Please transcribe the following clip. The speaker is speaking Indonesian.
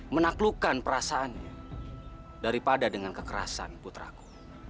menaklukkan perasaannya daripada dengan kekerasan putraku